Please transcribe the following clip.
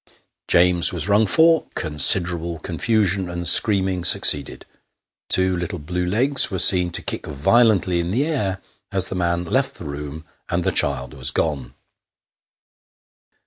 James was rung for ; considerable confusion and screaming succeeded ; two little blue legs were seen to kick violently in the air as the man left the room, and the child was gone.